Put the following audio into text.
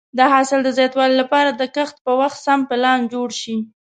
د حاصل د زیاتوالي لپاره د کښت په وخت سم پلان جوړ شي.